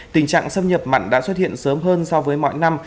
tình trạng xâm nhập mặn đã xuất hiện sớm hơn so với mọi năm